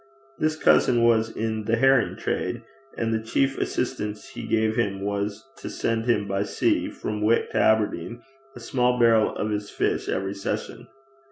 This cousin was in the herring trade, and the chief assistance he gave him was to send him by sea, from Wick to Aberdeen, a small barrel of his fish every session.